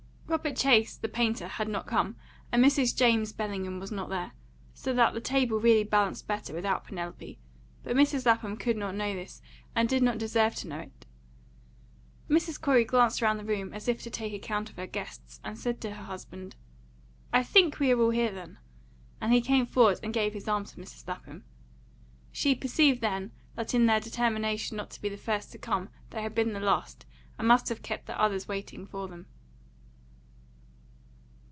Robert Chase, the painter, had not come, and Mrs. James Bellingham was not there, so that the table really balanced better without Penelope; but Mrs. Lapham could not know this, and did not deserve to know it. Mrs. Corey glanced round the room, as if to take account of her guests, and said to her husband, "I think we are all here, then," and he came forward and gave his arm to Mrs. Lapham. She perceived then that in their determination not to be the first to come they had been the last, and must have kept the others waiting for them.